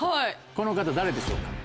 この方誰でしょうか？